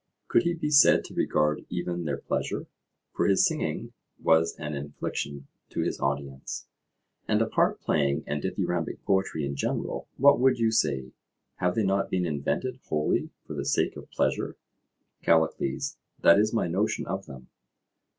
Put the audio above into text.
Could he be said to regard even their pleasure? For his singing was an infliction to his audience. And of harp playing and dithyrambic poetry in general, what would you say? Have they not been invented wholly for the sake of pleasure? CALLICLES: That is my notion of them.